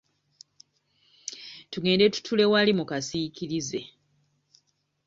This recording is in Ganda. Tugende tutuule wali mu kasiikirize.